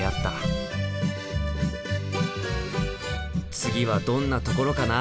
次はどんなところかな。